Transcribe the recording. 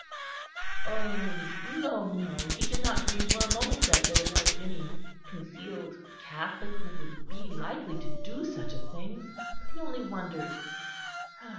Oh, no, no, he did not dream for a moment that there was any concealed Catholic who would be likely to do such a thing. But he only wondered.